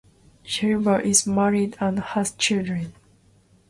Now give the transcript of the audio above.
Schreiber is married and has children.